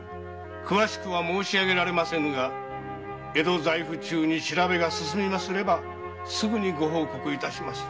詳しくは申しあげられませぬが江戸在府中に調べが進みますればすぐにご報告致しまする。